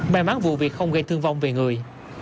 may mắn vụ việc không gây thương vong về người